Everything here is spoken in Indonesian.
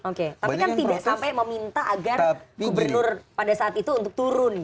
oke tapi kan tidak sampai meminta agar gubernur pada saat itu untuk turun